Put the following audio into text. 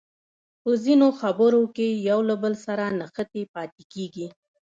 په ځینو نورو کې بیا یو له بل سره نښتې پاتې کیږي.